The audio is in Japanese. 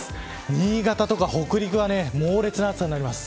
新潟とか北陸は猛烈な暑さになります。